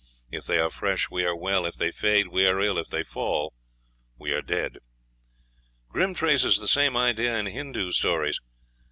If they are fresh, we are well; if they fade, we are ill; if they fall, we are dead." Grimm traces the same idea in Hindoo stories.